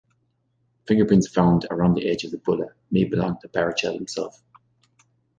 Fingerprints found around the edge of the bulla may belong to Barachel himself.